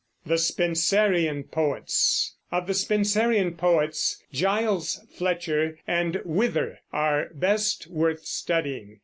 THE SPENSERIAN POETS. Of the Spenserian poets Giles Fletcher and Wither are best worth studying.